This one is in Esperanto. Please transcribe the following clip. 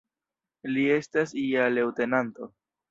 Li estas ja leŭtenanto.